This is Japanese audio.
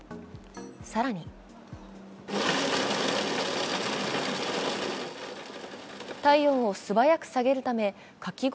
更に体温を素早く下げるためかき氷